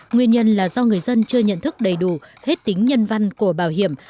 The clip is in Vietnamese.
nguyên nhân là do người dân chưa nhận thức đầy đủ hết tính nhân văn của bảo hiểm